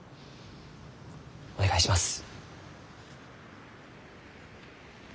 お願いします。